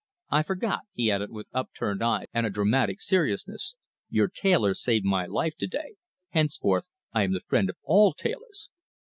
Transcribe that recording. "I forgot," he added, with upturned eyes and a dramatic seriousness, "your tailor saved my life to day henceforth I am the friend of all tailors.